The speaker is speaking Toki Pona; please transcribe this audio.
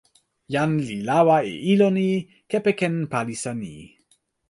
jan li lawa e ilo ni kepeken palisa ni.